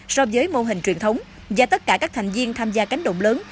so với mô hình truyền thống và tất cả các thành viên tham gia cánh động lớn